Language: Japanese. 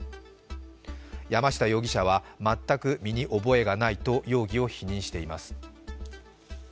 山下容疑者は全く身に覚えがないと容疑を否認しています。